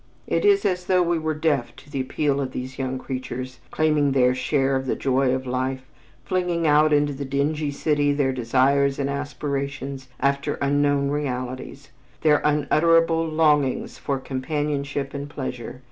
It is as though we were deaf to the appeal of these young creatures, claiming their share of the joy of life, flinging out into the dingy city their desires and aspirations after unknown realities, their unutterable longings for companionship and pleasure.